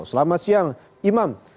selamat siang imam